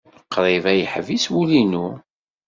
Qrib ay yeḥbis wul-inu.